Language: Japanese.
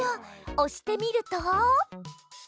おしてみると。